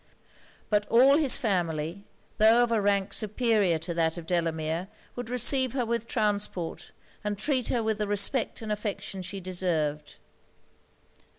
But all his family, tho' of a rank superior to that of Delamere, would receive her with transport, and treat her with the respect and affection she deserved.